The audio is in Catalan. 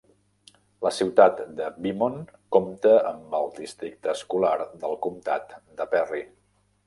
La ciutat de Beaumont compta amb el districte escolar del comtat de Perry.